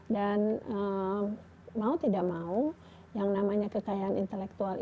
dan mau tidak mau yang namanya kekayaan intelektual itu